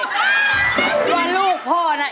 พ่อเชื่อมันในตัวลูกพ่อได้